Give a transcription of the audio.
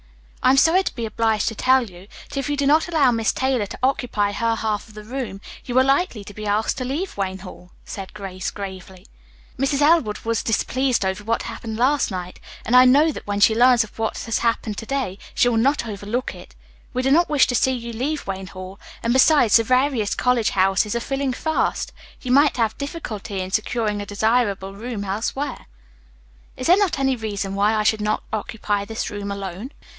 "I am sorry to be obliged to tell you that if you do not allow Miss Taylor to occupy her half of the room, you are likely to be asked to leave Wayne Hall," said Grace gravely. "Mrs. Elwood was displeased over what happened last night, and I know that when she learns of what has happened to day she will not overlook it. We do not wish to see you leave Wayne Hall, and besides, the various college houses are filling fast. You might have difficulty in securing a desirable room elsewhere." "Is there any reason why I should not occupy this room alone?"